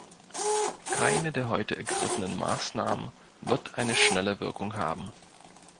Keine der heute ergriffenen Maßnahmen wird eine schnelle Wirkung haben.